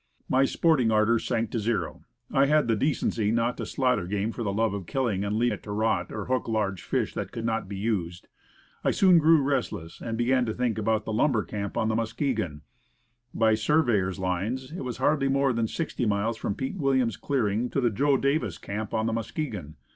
My sporting ardor sank to zero. I had the de cency not to slaughter game for the love of killing, and leave it to rot, or hook large fish that could not be used. I soon grew restless, and began to think often about the lumber camp on the Muskegon. By surveyor's lines it was hardly more than sixty miles from Pete Williams's clearing to the Joe Davis camp on the Muskegon.